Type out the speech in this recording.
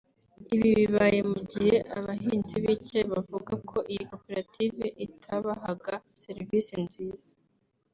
Ibi bibaye mu gihe abahinzi b’icyayi bavuga ko iyi koperative itabahaga serivisi nziza